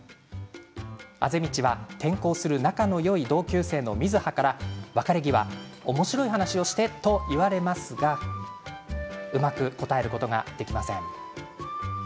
畦道は転校する仲のいい同級生の、みずはから別れ際おもしろい話をしてと言われますがうまく答えることができません。